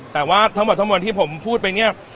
แต่ว่าทั้งหมดทั้งหมดที่ผมพูดไปเนี่ย